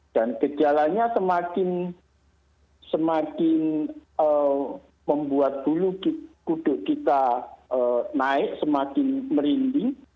dan kejalannya semakin membuat gulug kuduk kita naik semakin merinding